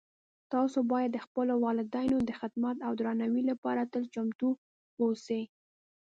تاسو باید د خپلو والدینو د خدمت او درناوۍ لپاره تل چمتو اوسئ